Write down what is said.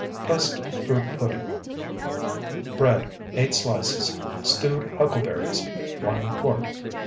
PRESSED FRUIT PUDDING Bread, 8 slices. Stewed huckleberries, 1 quart.